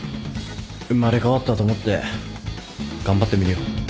生まれ変わったと思って頑張ってみるよ